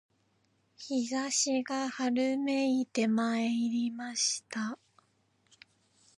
陽射しが春めいてまいりました